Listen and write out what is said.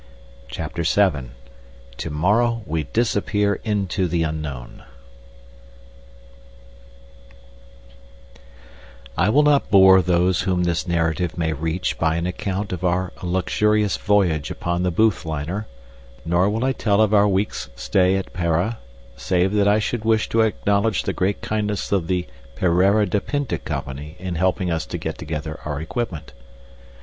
CHAPTER VII "To morrow we Disappear into the Unknown" I will not bore those whom this narrative may reach by an account of our luxurious voyage upon the Booth liner, nor will I tell of our week's stay at Para (save that I should wish to acknowledge the great kindness of the Pereira da Pinta Company in helping us to get together our equipment).